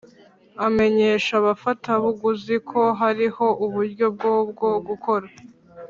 amenyesha abafatabaguzi ko hariho uburyo bwo bwo gukora